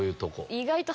意外と。